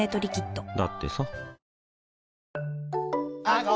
だってさ